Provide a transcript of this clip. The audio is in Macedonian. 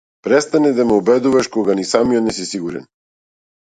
Престани да ме убедуваш кога ни самиот не си сигурен.